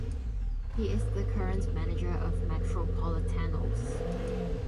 He is the current manager of Metropolitanos.